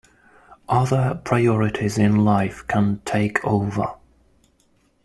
Other priorities in life can take over.